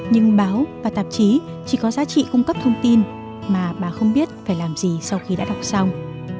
nhưng báo và tạp chí chỉ có giá trị cung cấp thông tin mà bà không biết phải làm gì sau khi đã đọc xong